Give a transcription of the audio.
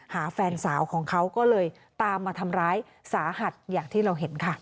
แฟนสาวของเขาก็เลยตามมาทำร้ายสาหัสอย่างที่เราเห็นค่ะ